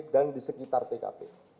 dan di tkp